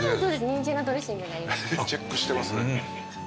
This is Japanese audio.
チェックしてますね。